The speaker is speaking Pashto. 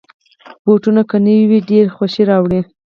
بوټونه که نوې وي، ډېر خوښي راولي.